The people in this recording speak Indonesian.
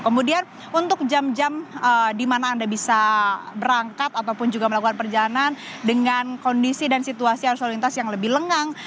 kemudian untuk jam jam di mana anda bisa berangkat ataupun juga melakukan perjalanan dengan kondisi dan situasi harus lalu lintas yang lebih lengang